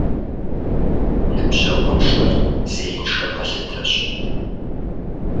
Ныбжьэгъуншэр зеиншэ пэлъытэщ.